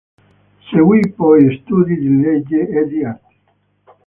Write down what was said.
Seguì poi studi di legge e di arti.